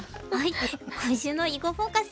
今週の「囲碁フォーカス」